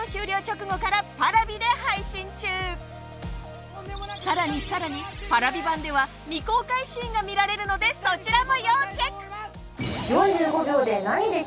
こちらも更に更にＰａｒａｖｉ版では未公開シーンが見られるのでそちらも要チェック。